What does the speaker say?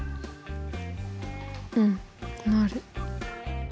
うんなる。